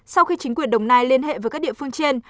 sau khi chính quyền đồng nai liên hệ với các địa phương trên